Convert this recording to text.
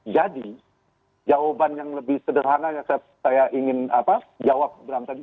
jadi jawaban yang lebih sederhana yang saya ingin jawab bram tadi